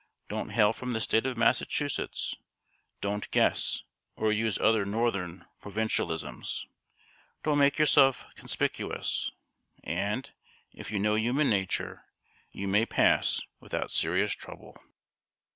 Don't hail from the State of Massachusetts; don't 'guess,' or use other northern provincialisms; don't make yourself conspicuous and, if you know human nature, you may pass without serious trouble."